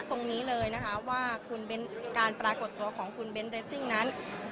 ตรงนี้เลยนะคะว่าคุณเบ้นการปรากฏตัวของคุณเบ้นเรสซิ่งนั้น